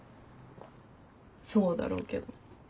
そうだろうけど。